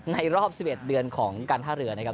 ในรอบ๑๑เดือนของการท่าเรือนะครับ